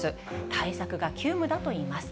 対策が急務だといいます。